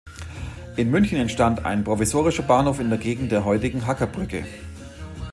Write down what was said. In München entstand ein provisorischer Bahnhof in der Gegend der heutigen Hackerbrücke.